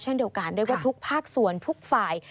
เช่นเดียวกันได้ว่าทุกภาคส่วนทุกฝ่าย